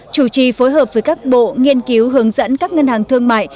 chủ trì phối hợp với các bộ nghiên cứu hướng dẫn các ngân hàng thương mại